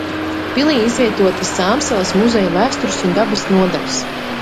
Pilī izvietotas Sāmsalas muzeja vēstures un dabas nodaļas.